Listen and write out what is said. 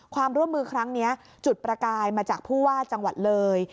ความร่วมมือครั้งนี้จุดประกายมาจากผู้ว่าจังหวัดเลย